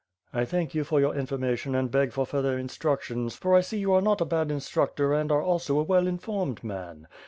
"I thank you for your information and beg for further instructions, for I see you are not a bad instructor and are also a well informed man.